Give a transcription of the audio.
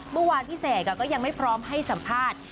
เมื่อวานพี่เสกก็ยังไม่พร้อมให้สัมภาษณ์